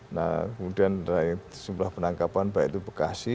nah kemudian dari sebelah penangkapan baik itu bekasi